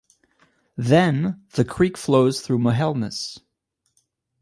Then the creek flows through Mohelnice.